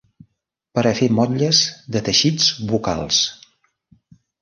Per a fer motlles de teixits bucals.